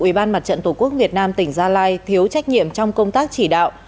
ubnd tổ quốc việt nam tỉnh gia lai thiếu trách nhiệm trong công tác chỉ đạo